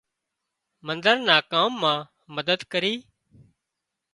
منۮر نا ڪام مان مدد ڪري